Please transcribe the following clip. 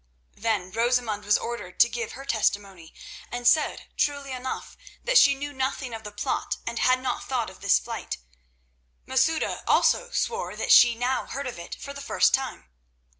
Then Rosamund was ordered to give her testimony, and said, truly enough, that she knew nothing of the plot and had not thought of this flight. Masouda also swore that she now heard of it for the first time.